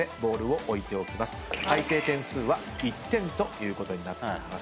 最低点数は１点ということになっています。